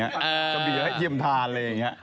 กะบีให้เยี่ยมทาน